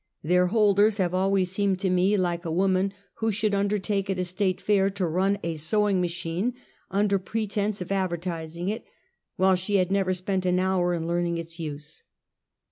Their holders have always seemed to me like a woman who should undertake at a state fair to run a sewing machine, under pretense of advertising it, while she had never spent an hour in learning its use.